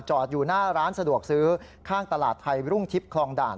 อยู่หน้าร้านสะดวกซื้อข้างตลาดไทยรุ่งทิพย์คลองด่าน